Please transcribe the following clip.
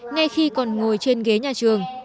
ngay khi còn ngồi trên ghế nhà trường